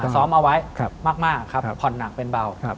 ซ้อมเอาไว้มากครับผ่อนหนักเป็นเบา